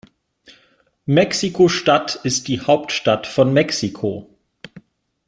Mexiko-Stadt ist die Hauptstadt von Mexiko.